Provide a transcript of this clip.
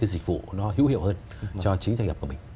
cái dịch vụ nó hữu hiệu hơn cho chính doanh nghiệp của mình